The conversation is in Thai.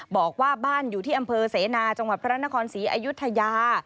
บอกว่าบ้านอยู่ที่อำเภอเสนาจังหวัดพระนครศรีอายุทยา